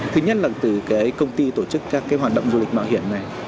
thứ nhất là từ công ty tổ chức các hoạt động du lịch mạo hiểm này